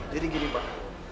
jadi gini pak